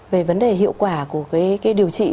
về vấn đề hiệu quả của cái điều trị